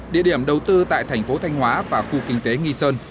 địa điểm đầu tư tại thành phố thanh hóa và khu kinh tế nghi sơn